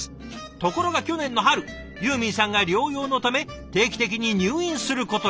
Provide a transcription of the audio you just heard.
ところが去年の春ユーミンさんが療養のため定期的に入院することに。